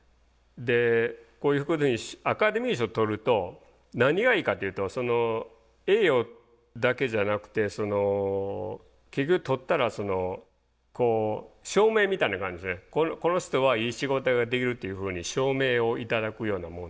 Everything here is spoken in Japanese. でこういうことにアカデミー賞取ると何がいいかっていうと栄誉だけじゃなくて結局取ったらこう証明みたいな感じでこの人はいい仕事ができるっていうふうに証明を頂くようなもんで。